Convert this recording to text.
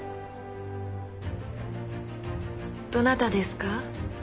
どなたですか？